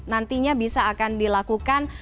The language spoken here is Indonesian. nantinya bisa akan dilakukan